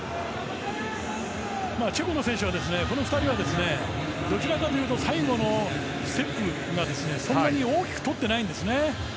チェコの選手のこの２人はできるだけ最後のステップはそんなに大きくとってないんですね。